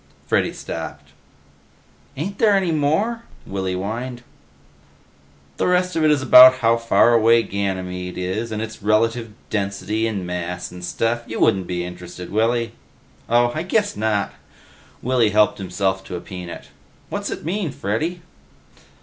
Freddy stopped. "Ain't there any more?" Willy whined. "The rest of it is about how far away Ganymede is, and its relative density and mass and stuff. You wouldn't be interested, Willy." "Oh. I guess not." Willy helped himself to a peanut. "What's it mean, Freddy?"